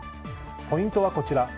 ポイントはこちら。